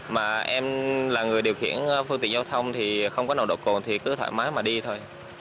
mà em là người điều khiển phương tiện giao thông thì không có nồng độ cồn thì cứ thoải mái mà đi thôi